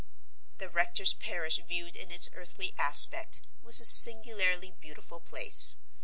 The rector's parish viewed in its earthly aspect, was a singularly beautiful place.